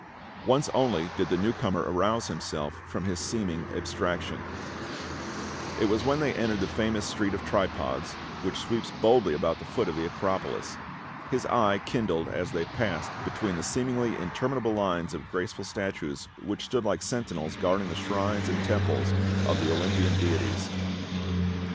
Once only did the new comer arouse himself from his seeming abstraction ; it was when they entered the famous street of Tripods, which sweeps boldly about the foot of the Acropolis. His eye kindled as they passed between the seemingly interminable lines of graceful statues, which stood like sentinels guarding the shrines and temples of the Olympian deities.